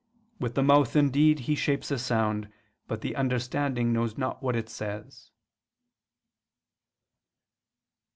With the mouth indeed he shapes a sound, but the understanding knows not what it says."